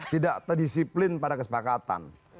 tidak terdisiplin pada kesepakatan